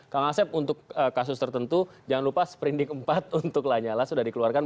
kang asep untuk kasus tertentu jangan lupa sprindik empat untuk lanyala sudah dikeluarkan